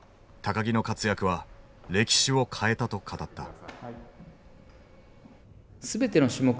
木の活躍は歴史を変えたと語った。